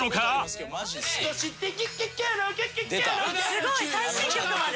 「すごい最新曲まで」